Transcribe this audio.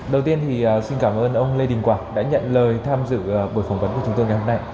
đầu tiên thì xin cảm ơn ông lê đình quảng đã nhận lời tham dự buổi phỏng vấn của chúng tôi ngày hôm nay